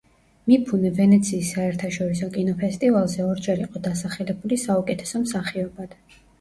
მიფუნე ვენეციის საერთაშორისო კინოფესტივალზე ორჯერ იყო დასახელებული საუკეთესო მსახიობად.